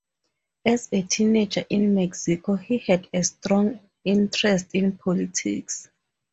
As a teenager in Mexico, he had a strong interest in politics.